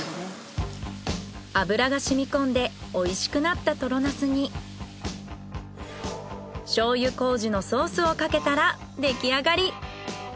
油がしみ込んでおいしくなったトロナスに醤油麹のソースをかけたら出来上がり。